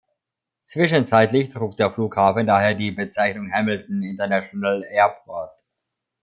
Zwischenzeitlich trug der Flughafen daher die Bezeichnung Hamilton International Airport.